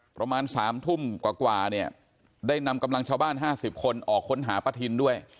ประมาณ๓ทุ่มกว่าเนี่ยได้นำกำลังชาวบ้าน๕๐คนออกค้นหาป้าทินด้วย